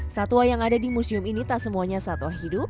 satwa yang ada di museum ini tak semuanya satwa hidup